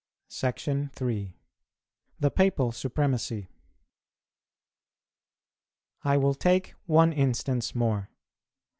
SECTION III. THE PAPAL SUPREMACY. I will take one instance more.